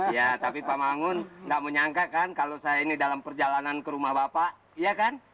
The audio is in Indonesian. ya tapi pak mangun nggak menyangka kan kalau saya ini dalam perjalanan ke rumah bapak iya kan